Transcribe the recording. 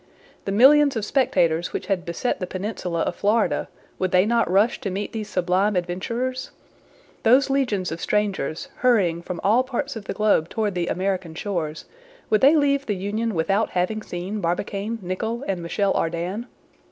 The millions of spectators which had beset the peninsula of Florida, would they not rush to meet these sublime adventurers? Those legions of strangers, hurrying from all parts of the globe toward the American shores, would they leave the Union without having seen Barbicane, Nicholl, and Michel Ardan?